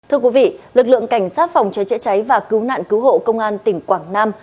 thưa quý vị lực lượng cảnh sát phòng cháy chữa cháy và cứu nạn cứu hộ công an tỉnh quảng nam